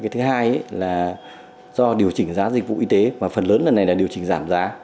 thứ hai là do điều chỉnh giá dịch vụ y tế mà phần lớn lần này là điều chỉnh giảm giá